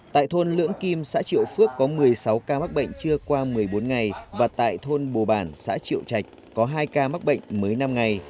tại thôn lưỡng kim xã triệu phước có một mươi sáu ca mắc bệnh chưa qua một mươi bốn ngày và tại thôn bồ bản xã triệu trạch có hai ca mắc bệnh mới năm ngày